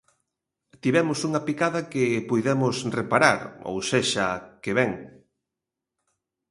Tivemos unha picada que puidemos reparar ou sexa que ben.